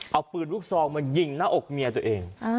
เอาปืนลูกซองมายิงหน้าอกเมียตัวเอง